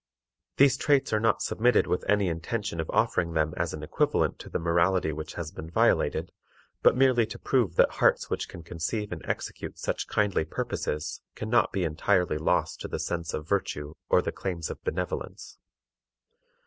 These traits are not submitted with any intention of offering them as an equivalent to the morality which has been violated, but merely to prove that hearts which can conceive and execute such kindly purposes can not be entirely lost to the sense of virtue or the claims of benevolence.